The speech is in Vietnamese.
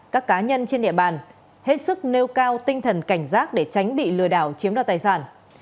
các cá nhân trên địa bàn hết sức nêu cao tinh thần cảnh giác để tránh bị lừa đảo chiếm đoạt tài sản